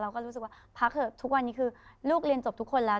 ก็รู้สึกว่าพักเถอะทุกวันนี้คือลูกเรียนจบทุกคนแล้ว